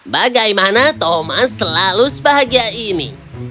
bagaimana thomas selalu sebahagia ini